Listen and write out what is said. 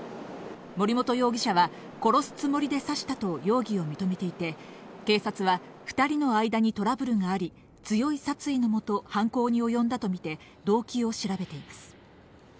森本容疑者は殺すつもりで刺したと容疑を認めていて、警察は２人の間にトラブルがあり、強い殺意のもと犯行に及んだとみて動機を調べています。